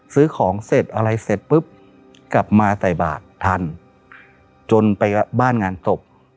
ซื้อของเสร็จอะไรเสร็จปุ๊บกลับมาใส่บาททันจนไปบ้านงานศพ